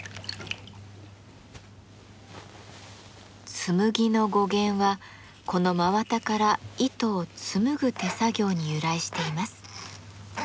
「紬」の語源はこの真綿から糸を紡ぐ手作業に由来しています。